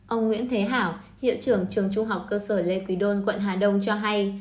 ông nguyễn thế hảo hiệu trưởng trường trung học cơ sở lê quý đôn quận hà đông cho hay